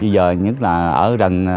giờ nhất là ở rần